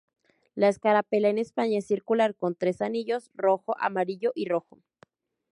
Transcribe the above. La escarapela en España es circular, con tres anillos rojo, amarillo y rojo.